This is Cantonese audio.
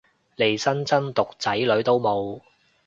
利申真毒仔女都冇